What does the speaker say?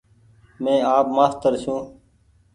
مين آپ مآستر ڇون ۔